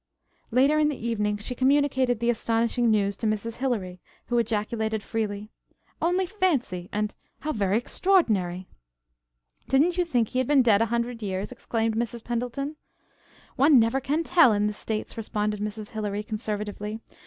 Later in the evening she communicated the astonishing news to Mrs. Hilary, who ejaculated freely: "Only fancy!" and "How very extraordinary!" "Didn't you think he had been dead a hundred years?" exclaimed Mrs. Pendleton. "One never can tell in the states," responded Mrs. Hilary conservatively.